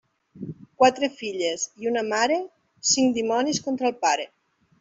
Quatre filles i una mare, cinc dimonis contra el pare.